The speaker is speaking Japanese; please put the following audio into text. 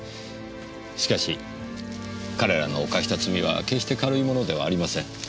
しかし彼らの犯した罪は決して軽いものではありません。